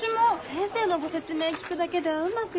先生のご説明聞くだけではうまくいかないのよね。